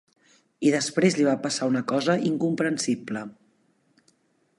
I després li va passar una cosa incomprensible.